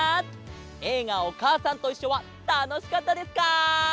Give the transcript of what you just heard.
「映画おかあさんといっしょ」はたのしかったですか？